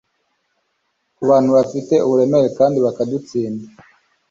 kubantu bafite uburemere kandi bakadutsinda